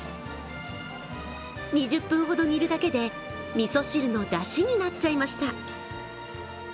２０分ほど煮るだけでみそ汁のだしになっちゃいました。